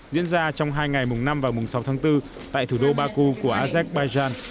diễn ra trong hai ngày mùng năm và mùng sáu tháng bốn tại thủ đô baku của azerbaijan